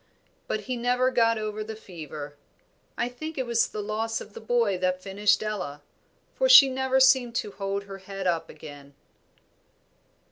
But he never got over the fever. I think it was the loss of the boy that finished Ella, for she never seemed to hold up her head again."